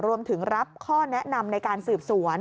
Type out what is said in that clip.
รวมถึงรับข้อแนะนำในการสืบสวน